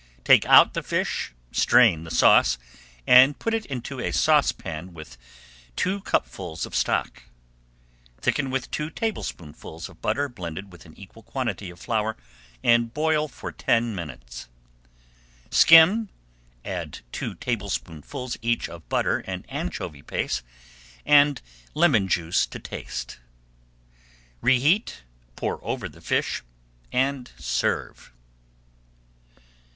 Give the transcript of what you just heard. Take out the fish, strain the sauce, and put it into a saucepan with two cupfuls of stock. Thicken with two tablespoonfuls of butter [Page 68] blended with an equal quantity of flour, and boil for ten minutes. Skim, add two tablespoonfuls each of butter and anchovy paste, and lemon juice to taste. Reheat, pour over the fish, and serve.